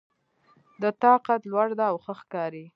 د تا قد لوړ ده او ښه ښکاري